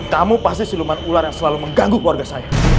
kamu pasti siluman ular yang selalu mengganggu keluarga saya